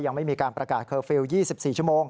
ยังไม่มีการประกาศเคอร์ฟิลล์๒๔ชั่วโมง